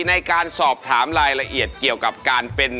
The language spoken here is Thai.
ในการสอบถามรายละเอียดเกี่ยวกับการเป็น